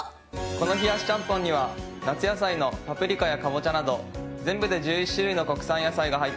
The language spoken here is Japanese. この冷やしちゃんぽんには夏野菜のパプリカやかぼちゃなど全部で１１種類の国産野菜が入っています。